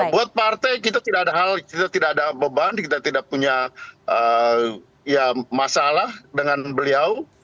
buat partai kita tidak ada hal kita tidak ada beban kita tidak punya masalah dengan beliau